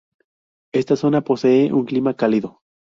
Esta zona posee un clima cálido.